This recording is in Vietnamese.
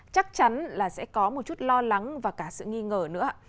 chắc chắn là sẽ có một chút lo lắng và cả sự nghi ngờ nữa